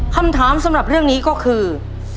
คำถามสำหรับเรื่องนี้ก็คือ